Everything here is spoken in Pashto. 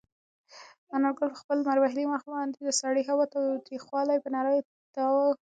انارګل په خپل لمر وهلي مخ باندې د سړې هوا تریخوالی په نره تېراوه.